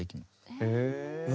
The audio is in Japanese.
へえ！